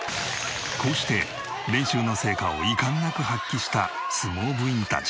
こうして練習の成果を遺憾なく発揮した相撲部員たち。